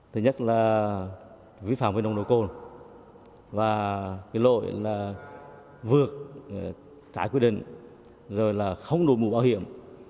thứ nhất là vi phạm nồng độ cồn và lỗi là vượt trái quyết định rồi là không đối mục bảo hiểm